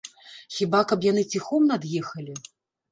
Хіба каб яны ціхом над'ехалі?